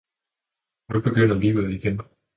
Nu begynder livet igen!